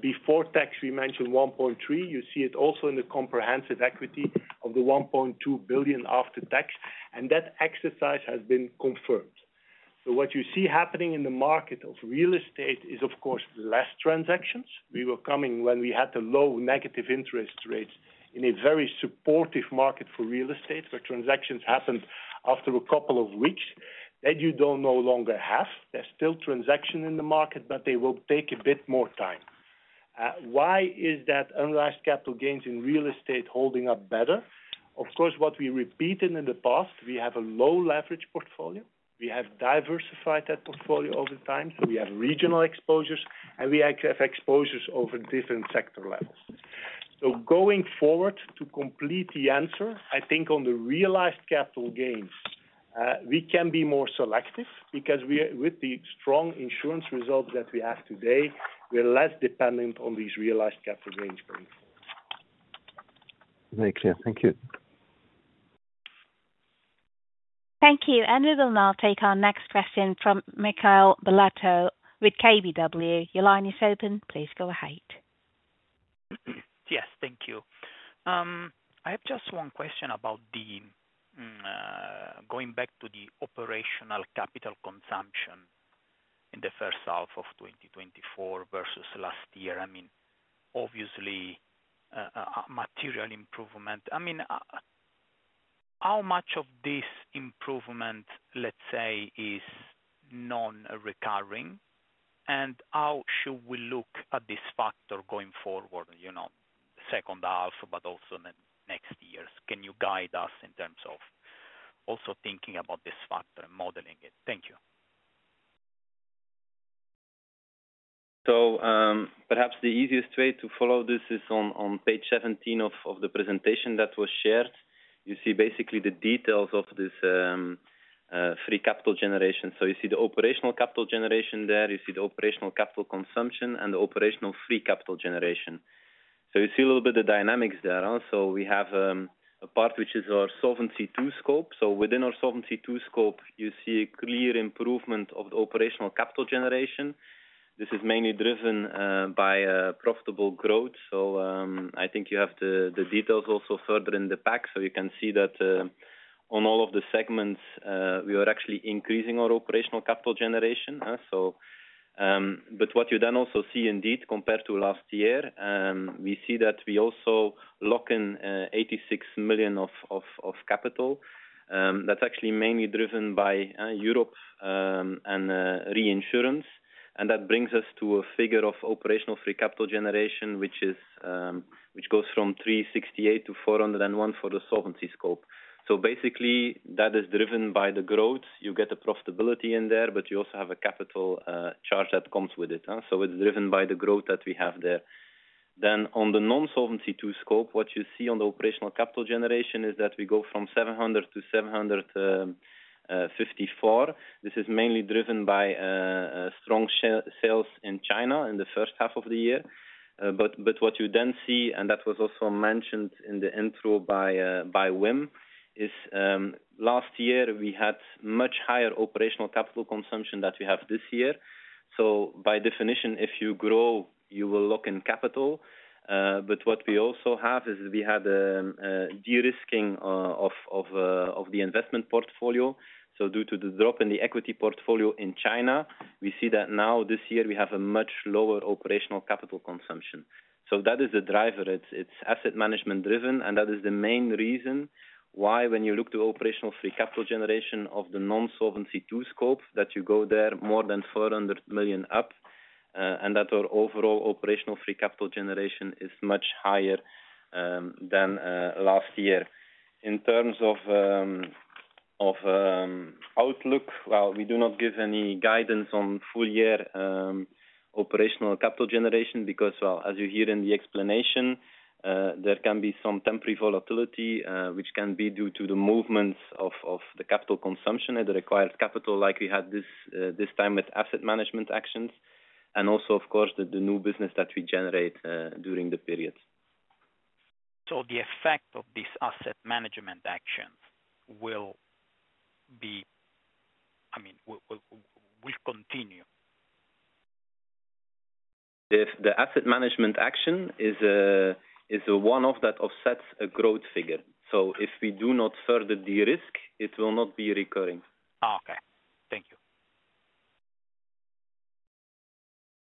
Before tax, we mentioned 1.3 billion. You see it also in the comprehensive equity of the 1.2 billion after tax, and that exercise has been confirmed. So what you see happening in the market of real estate is, of course, less transactions. We were coming when we had the low negative interest rates in a very supportive market for real estate, where transactions happened after a couple of weeks, that you don't no longer have. There's still transaction in the market, but they will take a bit more time. Why is that unrealized capital gains in real estate holding up better? Of course, what we repeated in the past, we have a low leverage portfolio. We have diversified that portfolio over time, so we have regional exposures, and we actually have exposures over different sector levels. So going forward, to complete the answer, I think on the realized capital gains, we can be more selective because we are, with the strong insurance results that we have today, we are less dependent on these realized capital gains going forward. Very clear. Thank you. Thank you, and we will now take our next question from Michele Ballatore with KBW. Your line is open. Please go ahead. Yes, thank you. I have just one question about going back to the operational capital consumption in the first half of 2024 versus last year. I mean, obviously, a material improvement. I mean, how much of this improvement, let's say, is non-recurring, and how should we look at this factor going forward, you know, second half, but also in the next years? Can you guide us in terms of also thinking about this factor and modeling it? Thank you. So, perhaps the easiest way to follow this is on page 17 of the presentation that was shared. You see basically the details of this free capital generation. So you see the operational capital generation there, you see the operational capital consumption, and the operational free capital generation. So you see a little bit of the dynamics there, huh? So we have a part which is our Solvency II scope. So within our Solvency II scope, you see a clear improvement of the operational capital generation. This is mainly driven by profitable growth. So I think you have the details also further in the pack. So you can see that on all of the segments we are actually increasing our operational capital generation, so. What you then also see, indeed, compared to last year, we see that we also lock in 86 million of capital. That's actually mainly driven by Europe and reinsurance. That brings us to a figure of operational free capital generation, which goes from 368-401 for the solvency scope. Basically, that is driven by the growth. You get the profitability in there, but you also have a capital charge that comes with it, so it's driven by the growth that we have there. On the non-Solvency II scope, what you see on the operational capital generation is that we go from 700-754. This is mainly driven by strong sales in China in the first half of the year. But what you then see, and that was also mentioned in the intro by Wim, is last year we had much higher operational capital consumption than we have this year. So by definition, if you grow, you will lock in capital. But what we also have is we had de-risking of the investment portfolio. So due to the drop in the equity portfolio in China, we see that now this year we have a much lower operational capital consumption. So that is the driver. It's asset management driven, and that is the main reason why when you look to operational free capital generation of the non-Solvency II scope, that you go there more than 400 million up, and that our overall operational free capital generation is much higher than last year. In terms of outlook, well, we do not give any guidance on full year operational capital generation because, well, as you hear in the explanation, there can be some temporary volatility, which can be due to the movements of the capital consumption and the required capital like we had this time with asset management actions. ... And also, of course, the new business that we generate during the period. So the effect of this asset management actions will be, I mean, will continue? If the asset management action is a one-off that offsets a growth figure. So if we do not further de-risk, it will not be recurring. Okay.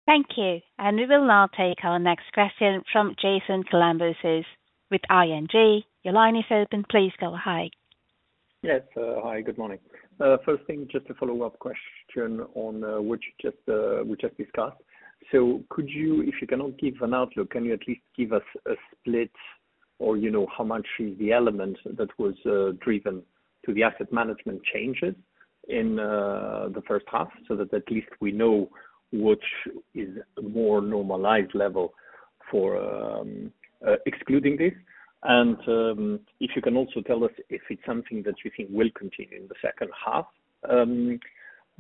Thank you. Thank you. And we will now take our next question from Jason Kalamboussis with ING. Your line is open. Please go ahead. Yes, hi, good morning. First thing, just a follow-up question on what we just discussed. So could you, if you cannot give an outlook, can you at least give us a split or, you know, how much is the element that was driven to the asset management changes in the first half, so that at least we know which is a more normalized level for excluding this? And if you can also tell us if it's something that you think will continue in the second half.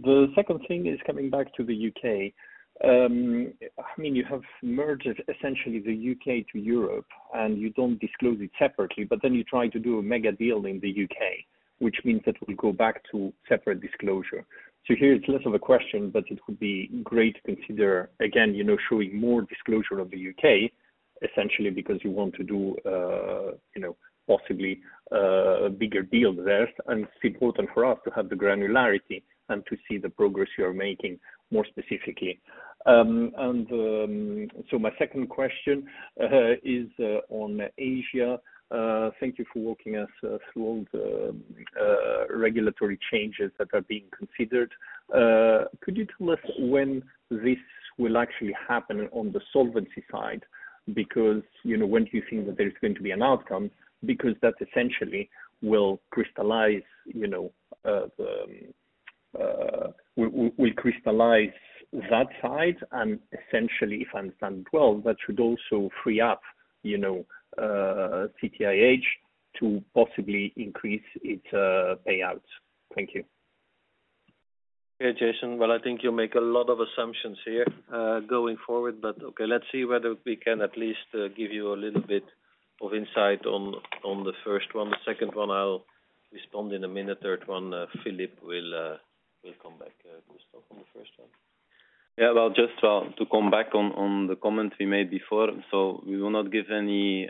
The second thing is coming back to the U.K. I mean, you have merged essentially the U.K. to Europe, and you don't disclose it separately, but then you try to do a mega deal in the U.K., which means that we go back to separate disclosure. Here it's less of a question, but it would be great to consider again, you know, showing more disclosure of the U.K., essentially, because you want to do, you know, possibly, a bigger deal there. It's important for us to have the granularity and to see the progress you are making more specifically, and so my second question is on Asia. Thank you for walking us through all the regulatory changes that are being considered. Could you tell us when this will actually happen on the solvency side? Because, you know, when do you think that there is going to be an outcome? Because that essentially will crystallize, you know, that side. And essentially, if I understand well, that should also free up, you know, CTIH to possibly increase its payouts. Thank you. Hey, Jason. Well, I think you make a lot of assumptions here, going forward, but okay, let's see whether we can at least give you a little bit of insight on the first one. The second one, I'll respond in a minute. Third one, Philippe will come back. Do you want to start on the first one? Yeah, well, just to come back on the comments we made before. So we will not give any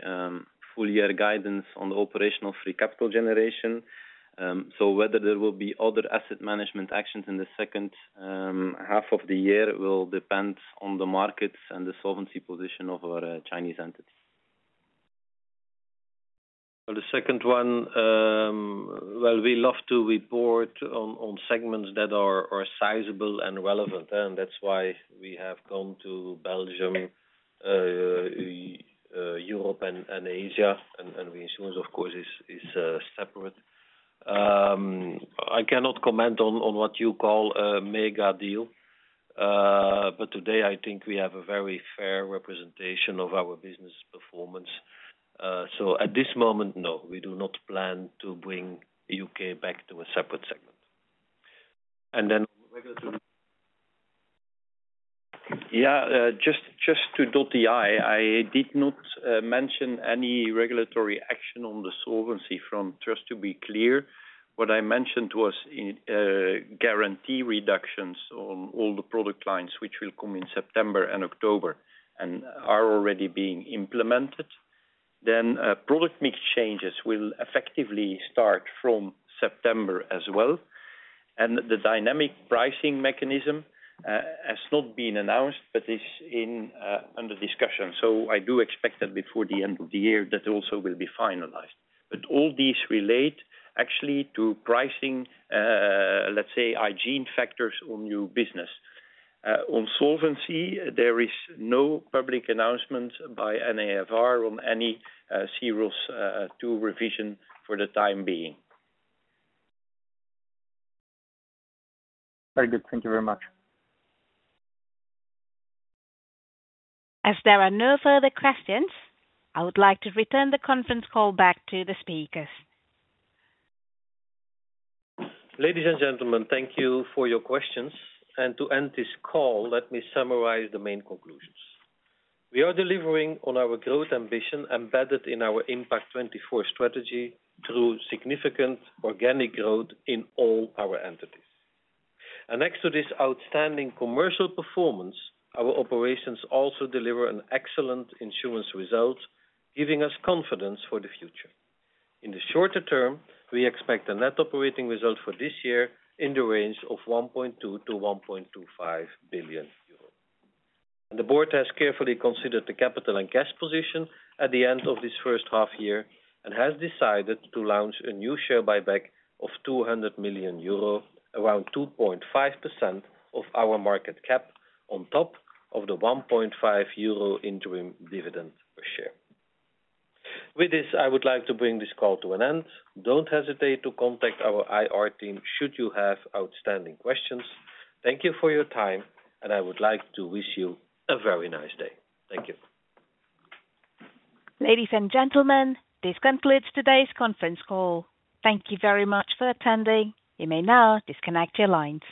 full year guidance on the operational free capital generation. So whether there will be other asset management actions in the second half of the year will depend on the markets and the solvency position of our Chinese entities. The second one, we love to report on segments that are sizable and relevant, and that's why we have come to Belgium, Europe, and Asia, and reinsurance, of course, is separate. I cannot comment on what you call a mega deal, but today I think we have a very fair representation of our business performance. So at this moment, no, we do not plan to bring U.K. back to a separate segment. And then regulatory- Yeah, just to dot the i, I did not mention any regulatory action on the solvency front, just to be clear. What I mentioned was guarantee reductions on all the product lines, which will come in September and October and are already being implemented. Then product mix changes will effectively start from September as well. And the dynamic pricing mechanism has not been announced, but is under discussion. So I do expect that before the end of the year, that also will be finalized. But all these relate actually to pricing, let's say, hygiene factors on new business. On solvency, there is no public announcement by NAFR on any C-ROSS II revision for the time being. Very good. Thank you very much. As there are no further questions, I would like to return the conference call back to the speakers. Ladies and gentlemen, thank you for your questions. And to end this call, let me summarize the main conclusions. We are delivering on our growth ambition embedded in our Impact24 strategy through significant organic growth in all our entities. And next to this outstanding commercial performance, our operations also deliver an excellent insurance result, giving us confidence for the future. In the shorter term, we expect a net operating result for this year in the range of 1.2-1.25 billion euros. And the board has carefully considered the capital and cash position at the end of this first half year, and has decided to launch a new share buyback of 200 million euro, around 2.5% of our market cap, on top of the 1.5 euro interim dividend per share. With this, I would like to bring this call to an end. Don't hesitate to contact our IR team should you have outstanding questions. Thank you for your time, and I would like to wish you a very nice day. Thank you. Ladies and gentlemen, this concludes today's conference call. Thank you very much for attending. You may now disconnect your lines.